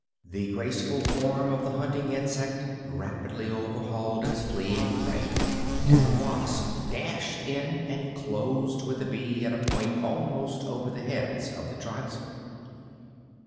The graceful form of the hunting insect rapidly overhauled its fleeing prey, and the wasp dashed in and closed with the bee at a point almost over the heads of the tribesmen.